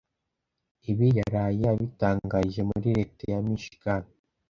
Ibi yaraye abitangarije muri Leta ya Michigan